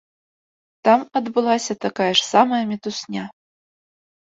Там адбылася такая ж самая мітусня.